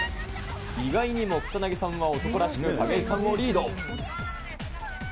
意外にも草薙さんが男らしく、景井さんをリード。